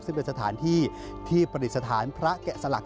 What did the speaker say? ซึ่งเป็นสถานที่ที่ประดิษฐานพระแกะสลัก